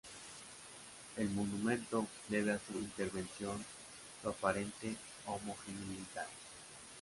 El monumento debe a su intervención su aparente homogeneidad.